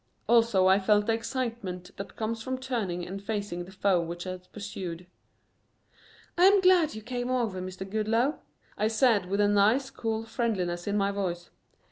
Also I felt the excitement that comes from turning and facing the foe which has pursued. "I'm glad you came over, Mr. Goodloe," I said with nice, cool friendliness in my voice.